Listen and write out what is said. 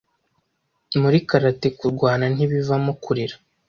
Muri karate kurwana ntibivamo kurira